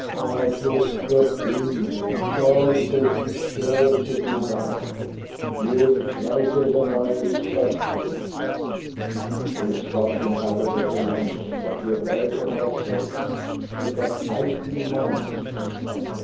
"I just dropped in. Charles said you'd sure to be back. You're later than I expected." "We stopped to have a bit of lunch. But you heard what I said. She got eighteen months."